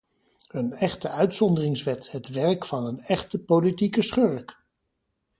Een echte uitzonderingswet, het werk van een echte politieke schurk!